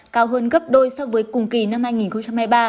cao hơn gấp đôi so với cùng kỳ năm hai nghìn hai mươi ba